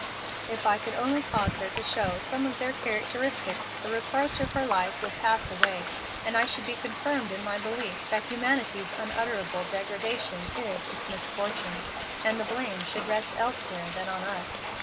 If I could only cause her to show some of their characteristics the reproach of her life would pass away, and I should be confirmed in my belief that humanity's unutterable degradation is its misfortune, and the blame should rest elsewhere than on us.